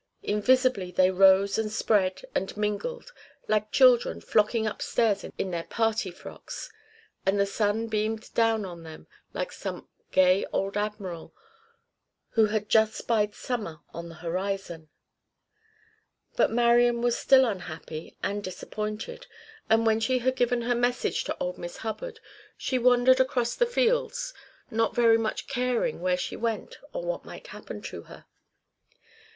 Invisibly they rose and spread and mingled, like children flocking upstairs in their party frocks; and the sun beamed down on them like some gay old admiral who had just spied summer on the horizon. But Marian was still unhappy and disappointed, and when she had given her message to old Miss Hubbard she wandered across the fields, not very much caring where she went or what might happen to her.